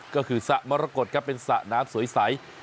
ก็คือสระมรกฏครับเป็นสระน้ำสวยใส